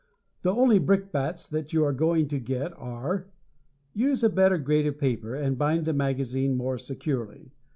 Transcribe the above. The only brickbats that you are going to get are: Use a better grade of paper and bind the magazines more securely.